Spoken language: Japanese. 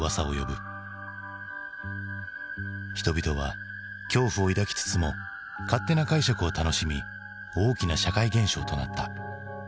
人々は恐怖を抱きつつも勝手な解釈を楽しみ大きな社会現象となった。